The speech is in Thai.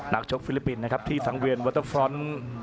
ชกฟิลิปปินส์นะครับที่สังเวียนวอเตอร์ฟรอนด์